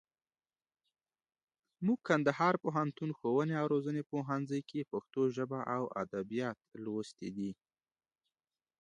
موږ کندهار پوهنتون، ښووني او روزني پوهنځي کښي پښتو ژبه او اودبيات لوستي دي.